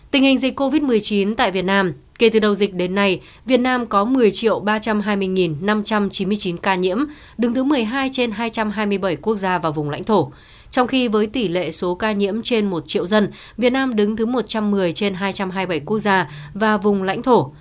tình hình dịch covid một mươi chín tại việt nam kể từ đầu dịch đến nay việt nam có một mươi ba trăm hai mươi năm trăm chín mươi chín ca nhiễm đứng thứ một mươi hai trên hai trăm hai mươi bảy quốc gia và vùng lãnh thổ trong khi với tỷ lệ số ca nhiễm trên một triệu dân việt nam đứng thứ một trăm một mươi trên hai trăm hai mươi bảy quốc gia và vùng lãnh thổ